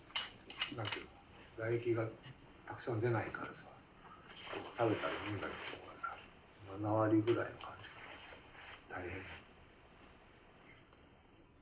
唾液がたくさん出ないからさ食べたり飲んだりするのがさ７割ぐらいの感じで大変。